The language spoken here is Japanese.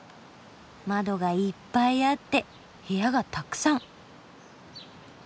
窓がいっぱいあって部屋がたくさん。